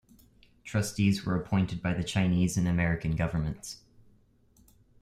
Trustees were appointed by the Chinese and American governments.